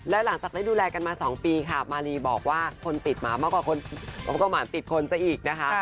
และหลังจากได้ดูแลกันมา๒ปีค่ะมารีบอกว่าคนติดหมามากกว่าหมานติดคนซะอีกนะคะ